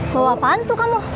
bawa apaan tuh kamu